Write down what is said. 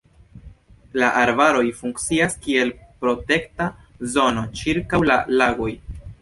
La arbaroj funkcias kiel protekta zono ĉirkaŭ la lagoj.